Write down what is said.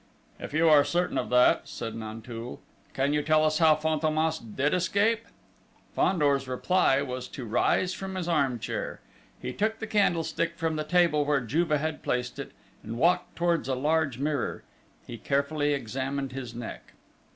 "If you are certain of that," said Nanteuil, "can you tell us how Fantômas did escape?" Fandor's reply was to rise from his arm chair. He took the candlestick from the table where Juve had placed it and walked towards a large mirror. He carefully examined his neck.